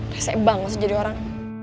reset banget jadi orang